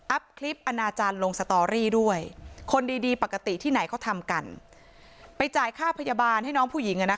คลิปอนาจารย์ลงสตอรี่ด้วยคนดีปกติที่ไหนเขาทำกันไปจ่ายค่าพยาบาลให้น้องผู้หญิง